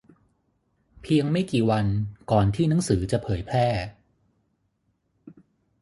เพียงไม่กี่วันก่อนที่หนังสือจะเผยแพร่